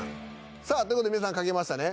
さあという事で皆さん書けましたね？